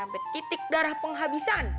sampai titik darah penghabisan